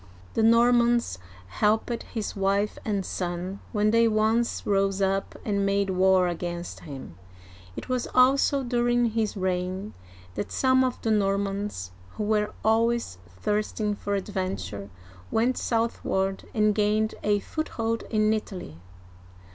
The Normans helped his wife and son when they once rose up and made war against him. It was also during his reign that some of the Normans, who were always thirsting for adventure, went southward and gained a foothold in Italy.